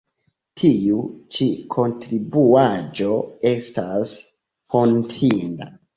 Tiu ĉi kontribuaĵo estas hontinda.